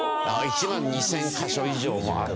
１万２０００カ所以上もある。